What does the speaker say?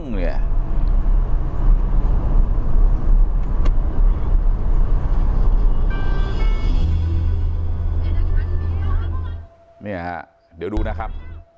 เนี่ยฮะเดี๋ยวดูนะครับ